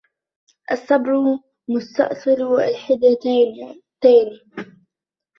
الصَّبْرُ مُسْتَأْصِلُ الْحِدْثَانِ